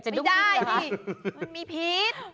ไม่ได้มันมีพีช